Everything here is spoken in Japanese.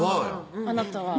「あなたは？」